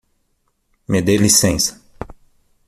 Me de licença!